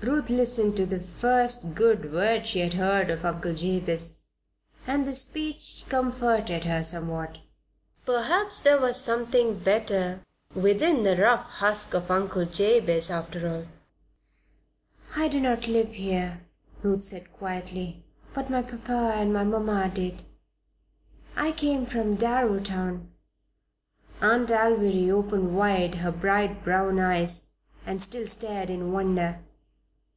Ruth listened to the first good word she had heard of Uncle Jabez, and the speech comforted her somewhat. Perhaps there was something better within the rough husk of Uncle Jabez, after all. "I did not live near here," Ruth said, quietly. "But my papa and mama did. I came from Darrowtown." Aunt Alviry opened wide her bright brown eyes, and still stared in wonder.